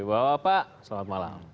bapak selamat malam